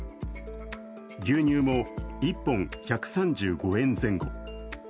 牛乳も１本１３５円前後。